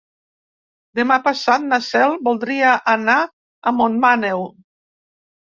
Demà passat na Cel voldria anar a Montmaneu.